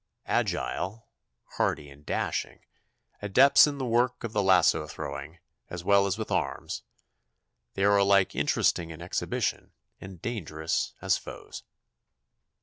Agile, hardy, and dashing, adepts in the work of lasso throwing, as well as with arms, they are alike interesting in exhibition and dangerous as foes.